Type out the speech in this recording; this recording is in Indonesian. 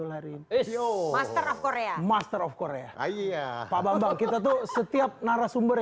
lari icu master of korea master of korea iya pak bambang kita tuh setiap narasumber